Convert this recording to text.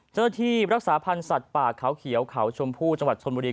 เจ้าหน้าที่รักษาพันธ์สัตว์ป่าเขาเขียวเขาชมพู่จังหวัดชนบุรี